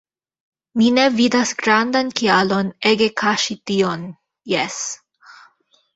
Mi ne vidas grandan kialon ege kaŝi tion – jes.